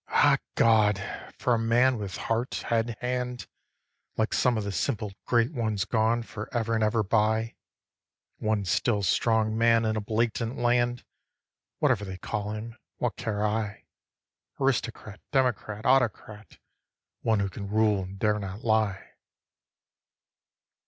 5. Ah God, for a man with heart, head, hand, Like some of the simple great ones gone For ever and ever by, One still strong man in a blatant land, Whatever they call him, what care I, Aristocrat, democrat, autocrat one Who can rule and dare not lie.